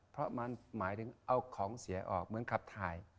เพราะมันหมายถึงเอาของเสียออกเหมือนขับถ่าย